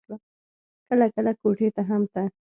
کله کله کوټې ته هم ته.